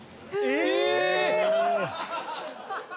え！